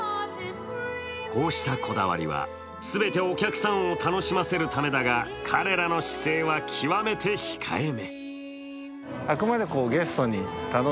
こうしたこだわりは、全てお客さんを楽しませるためだが、彼らの姿勢は、極めて控えめ。